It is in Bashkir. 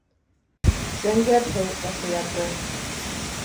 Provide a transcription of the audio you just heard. «ЗӘҢГӘРҺЫУ ВАСЫЯТЫ»